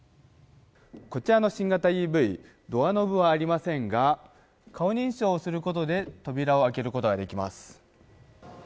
こちらの新型ＥＶドアノブはありませんが顔認証することで扉を開けることができます。